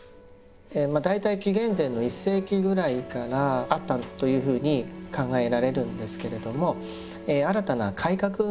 大体紀元前の１世紀ぐらいからあったというふうに考えられるんですけれども新たな改革運動としての仏教が大乗仏教です。